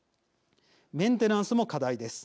メンテナンスも課題です。